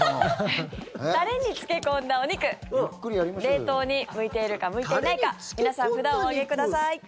タレに漬け込んだお肉冷凍に向いているか向いていないか皆さん、札をお上げください。